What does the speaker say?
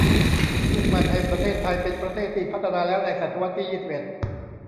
มุ่งมั่นให้ประเทศไทยเป็นประเทศที่พัฒนาแล้วในศตวรรษที่ยี่สิบเอ็ด